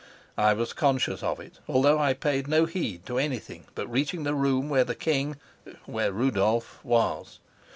I was conscious of it, although I paid no heed to anything but reaching the room where the king where Rudolf was.